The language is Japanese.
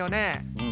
うん。